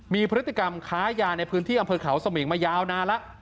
มีพฤติกรรมค้ายาในพื้นที่อำเภอเขาสมิงมายาวนานแล้ว